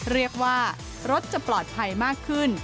เรียกว่ารถจะปลอดภัยมากขึ้น